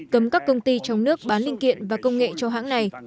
cấm các công ty trong nước bán linh kiện và công nghệ cho hãng này